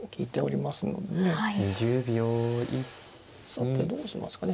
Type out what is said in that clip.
さてどうしますかね。